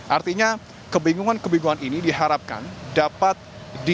artinya kebingungan kebingungan ini diharapkan dapat